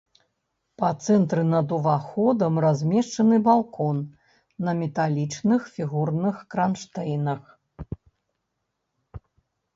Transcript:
Па цэнтры над уваходам размешчаны балкон на металічных фігурных кранштэйнах.